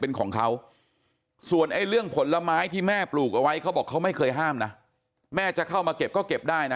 เป็นของเขาส่วนไอ้เรื่องผลไม้ที่แม่ปลูกเอาไว้เขาบอกเขาไม่เคยห้ามนะแม่จะเข้ามาเก็บก็เก็บได้นะ